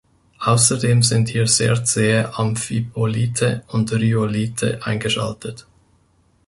Außerdem sind hier sehr zähe Amphibolite und Rhyolithe eingeschaltet.